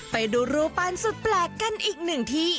ไปดูรูปันสุดแปลกกันอีกหนึ่งที่